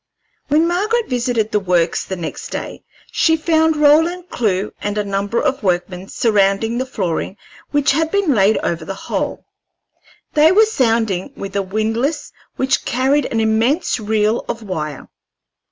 When Margaret visited the Works the next day she found Roland Clewe and a number of workmen surrounding the flooring which had been laid over the hole. They were sounding with a windlass which carried an immense reel of wire.